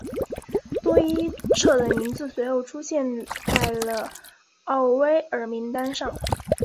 多伊彻的名字随后出现在了奥威尔名单上。